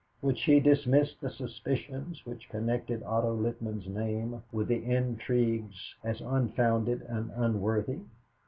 Would she dismiss the suspicions which connected Otto Littman's name with the intrigues as unfounded and unworthy?